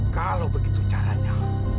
kalau begitu caranya